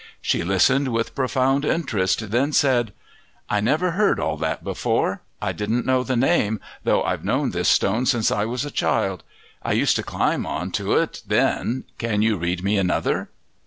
She listened with profound interest, then said, "I never heard all that before; I didn't know the name, though I've known this stone since I was a child. I used to climb on to it then. Can you read me another?"